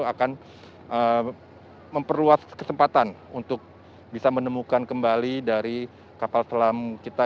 akan memperluas kesempatan untuk bisa menemukan kembali dari kapal selam kita